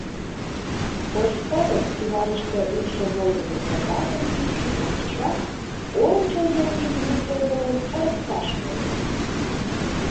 Ош пырыс кӱварыште улшо волгыдо квадратым ӱпшыч ончышат, ончыл йолжым лук тодылын, ырыкташ возо.